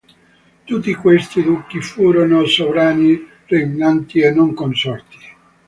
Tutti questi duchi furono sovrani regnanti e non consorti.